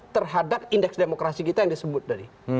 terhadap indeks demokrasi kita yang disebut tadi